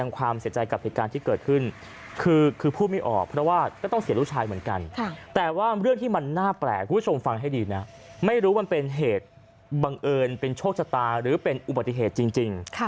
คุณผู้ชมฟังให้ดีนะไม่รู้มันเป็นเหตุบังเอิญเป็นโชคชะตาหรือเป็นอุบัติเหตุจริง